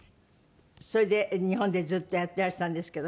それで日本でずっとやっていらしたんですけど。